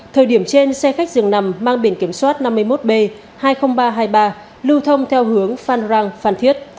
thời điểm trên xe khách dường nằm mang biển kiểm soát năm mươi một b hai mươi nghìn ba trăm hai mươi ba lưu thông theo hướng phan rang phan thiết